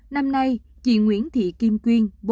năm nay chị nguyễn thị kim quyên